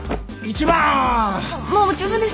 もっもう十分です。